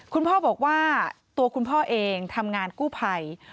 คุณพ่อบอกว่าตัวคุณพ่อเองทำงานกู้ภัย